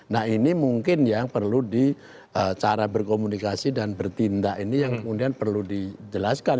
nah ini mungkin yang perlu di cara berkomunikasi dan bertindak ini yang kemudian perlu dijelaskan